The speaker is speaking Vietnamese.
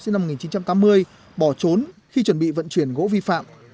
sinh năm một nghìn chín trăm tám mươi bỏ trốn khi chuẩn bị vận chuyển gỗ vi phạm